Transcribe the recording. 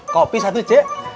kopi satu c